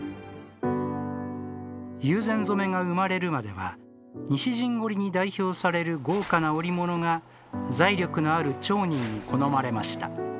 友禅染が生まれるまでは西陣織に代表される豪華な織物が財力のある町人に好まれました。